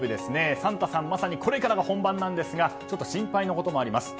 サンタさん、まさにこれからが本番なんですがちょっと心配なこともあります。